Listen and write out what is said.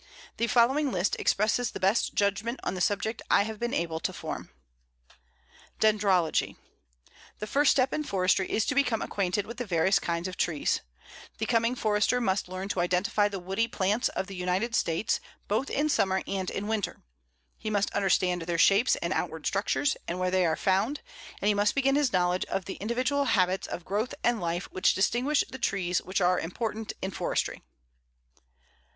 The following list expresses the best judgment on the subject I have been able to form: DENDROLOGY: The first step in forestry is to become acquainted with the various kinds of trees. The coming Forester must learn to identify the woody plants of the United States, both in summer and in winter. He must understand their shapes and outward structures, and where they are found, and he must begin his knowledge of the individual habits of growth and life which distinguish the trees which are important in forestry.